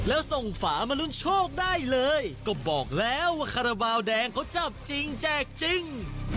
แล้วส่งฝามาลุ้นโชคได้เลยก็บอกแล้วว่าคาราบาลแดงเขาจับจริงแจกจริง